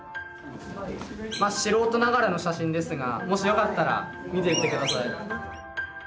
素人ながらの写真ですがもしよかったら見てってください。